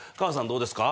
どうですか？